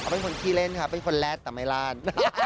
เป็นคนขี้เล่นครับเป็นคนแรกแต่ไม่ลาด